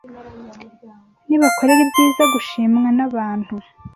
Nibakorera ibyiza gushimwa n’abantu,